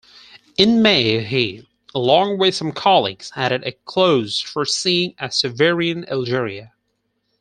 In May he, along with some colleagues, added a clause foreseeing a sovereign Algeria.